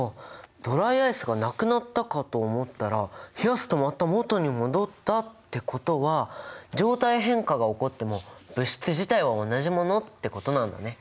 ドライアイスがなくなったかと思ったら冷やすとまたもとに戻ったってことは「状態変化が起こっても物質自体は同じもの」ってことなんだね。